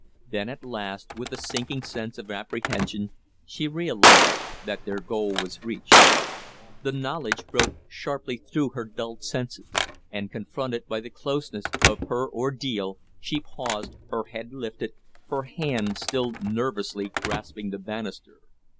Then at last, with a sinking sense of apprehension, she realized that their goal was reached. The knowledge broke sharply through her dulled senses; and, confronted by the closeness of her ordeal, she paused, her head lifted, her hand still nervously grasping the banister.